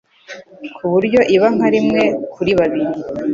kuburyo iba nka rimwe kuri kabiri